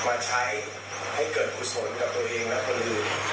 กับตัวเองและคนอื่น